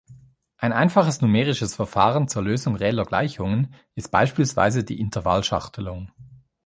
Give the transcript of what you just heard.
Ein einfaches numerisches Verfahren zur Lösung reeller Gleichungen ist beispielsweise die Intervallschachtelung.